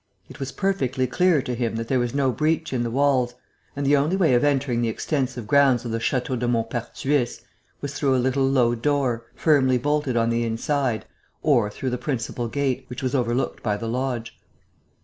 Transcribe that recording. It was perfectly clear to him that there was no breach in the walls; and the only way of entering the extensive grounds of the Château de Maupertuis was through a little low door, firmly bolted on the inside, or through the principal gate, which was overlooked by the lodge.